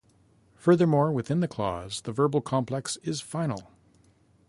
Furthermore, within the clause the verbal complex is final.